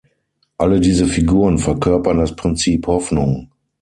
Alle diese Figuren verkörpern das „Prinzip Hoffnung“.